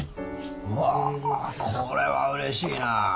うわこれはうれしいな。